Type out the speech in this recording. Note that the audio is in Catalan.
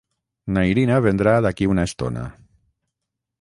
Na Irina vendrà d'aquí a una estona.